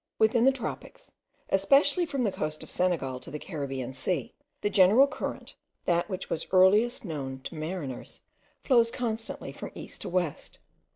Within the tropics, especially from the coast of Senegal to the Caribbean Sea, the general current, that which was earliest known to mariners, flows constantly from east to west.